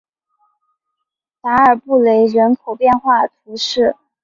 达尔布雷人口变化图示